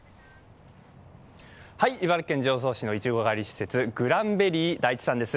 茨城県常総市のいちご狩り施設、ＧＲＡＮＢＥＲＲＹ大地さんです。